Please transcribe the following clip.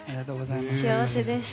幸せです。